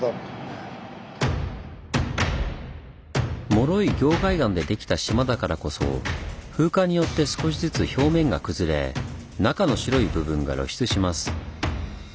もろい凝灰岩でできた島だからこそ風化によって少しずつ表面が崩れ中の白い部分が露出します。